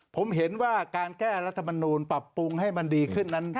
ผมเห็นว่าการแก้รัฐมนูลปรับปรุงให้มันดีขึ้นนั้น